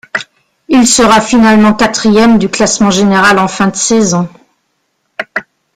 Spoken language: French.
Il sera finalement quatrième du classement général en fin de saison.